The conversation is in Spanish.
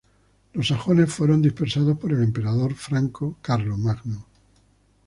Los sajones fueron dispersados por el emperador franco Carlomagno.